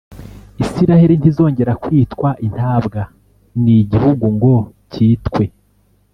;’’ Isiraheli ntizongera kwitwa ‘‘Intabwa,’’ n’igihugu ngo cyitwe